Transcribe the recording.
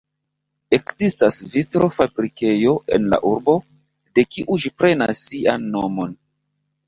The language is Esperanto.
Ekzistas vitro-fabrikejo en la urbo, de kiu ĝi prenas sian nomon.